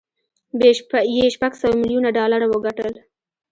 یې شپږ سوه ميليونه ډالر وګټل